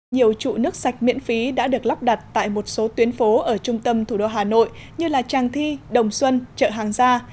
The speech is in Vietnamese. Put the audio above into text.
nhiều trụ nước sạch miễn phí đã được lắp đặt tại một số tuyến phố ở trung tâm thủ đô hà nội như tràng thi đồng xuân chợ hàng gia